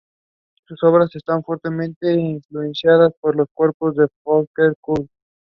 It was.